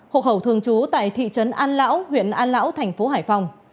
hộ khẩu thường trú tại thị trấn an lão huyện an lão thành phố hải phòng